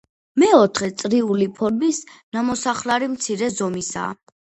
მეოთხე, წრიული ფორმის ნამოსახლარი მცირე ზომისაა.